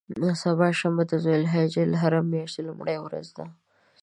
سبا شنبه د ذوالحجة الحرام میاشتې لومړۍ ورځ ده.